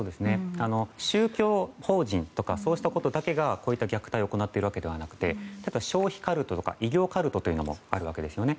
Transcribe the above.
宗教法人とかそうしたところだけがこういった虐待を行っているわけではなくて消費カルトと医療カルトというのもあるわけですね。